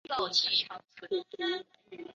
经过铁路有兰新铁路和嘉镜铁路。